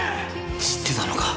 知ってたのか？